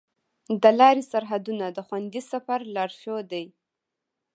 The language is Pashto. د لارې سرحدونه د خوندي سفر لارښود دي.